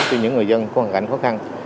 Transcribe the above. cho những người dân của hoàn cảnh khó khăn